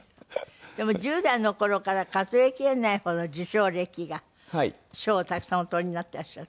でも１０代の頃から数え切れないほど受賞歴が賞をたくさんお取りになっていらっしゃるって。